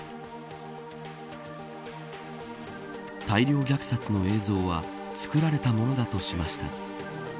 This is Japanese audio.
大量虐殺の映像は作られたものだとしました。